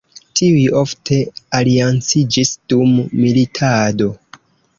Tiuj ofte alianciĝis dum militado.